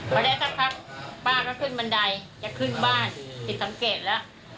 พอได้สักพักป้าก็ขึ้นบันไดจะขึ้นบ้านผิดสังเกตแล้ว